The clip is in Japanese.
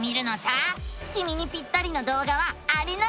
きみにピッタリの動画はあれなのさ！